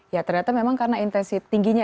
ya ternyata memang karena intensi tingginya